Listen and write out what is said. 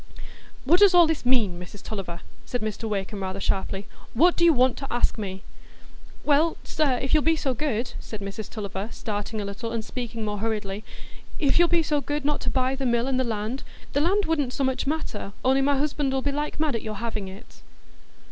"What does all this mean, Mrs Tulliver?" said Mr Wakem rather sharply. "What do you want to ask me?" "Why, sir, if you'll be so good," said Mrs Tulliver, starting a little, and speaking more hurriedly,—"if you'll be so good not to buy the mill an' the land,—the land wouldn't so much matter, only my husband ull' be like mad at your having it."